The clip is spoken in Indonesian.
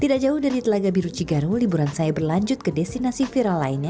tidak jauh dari telaga biru cigaru liburan saya berlanjut ke destinasi viral lainnya